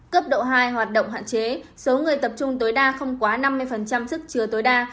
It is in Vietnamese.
cấp độ hai hoạt động hạn chế số người tập trung tối đa không quá năm mươi sức chứa tối đa